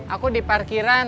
aku di parkiran